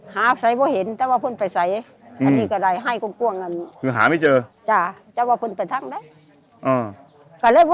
มาสัมพัติอย่างไงนะครับ